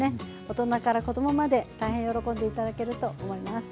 大人から子供まで大変喜んで頂けると思います。